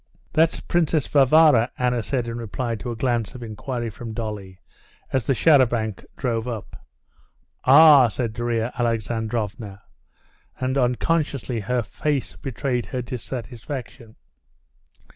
"That's Princess Varvara," Anna said in reply to a glance of inquiry from Dolly as the char à banc drove up. "Ah!" said Darya Alexandrovna, and unconsciously her face betrayed her dissatisfaction.